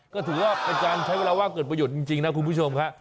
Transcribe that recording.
ก็ถือว่าเป็นการใช้เวลาว่างเกิดประโยชน์จริงนะคุณผู้ชมค่ะ